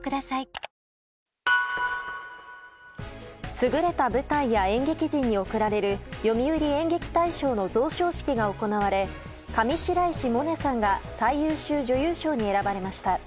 優れた舞台や演劇人に贈られる読売演劇大賞の贈賞式が行われ上白石萌音さんが最優秀女優賞に選ばれました。